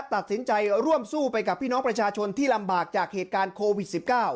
ตัดสินใจร่วมสู้ไปกับพี่น้องประชาชนที่ลำบากจากเหตุการณ์โควิด๑๙